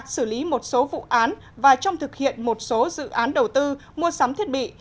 xử lý một số vụ án và trong thực hiện một số dự án đầu tư mua sắm thiết bị